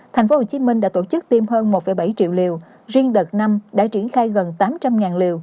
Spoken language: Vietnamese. tp hcm đã tổ chức tiêm hơn một bảy triệu liều riêng đợt năm đã triển khai gần tám trăm linh liều